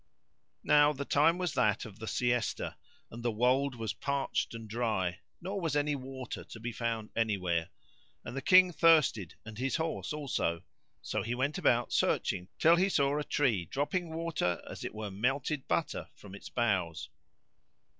Now the time was that of the siesta[FN#89] and the wold was parched and dry, nor was any water to be found anywhere; and the King thirsted and his horse also; so he went about searching till he saw a tree dropping water, as it were melted butter, from its boughs.